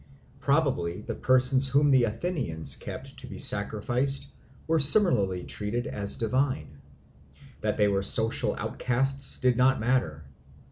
Probably the persons whom the Athenians kept to be sacrificed were similarly treated as divine. That they were social outcasts did not matter.